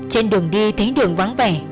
trên đường đi thấy đường vắng vẻ